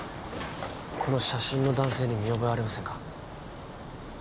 この写真の男性に見覚えありませんか？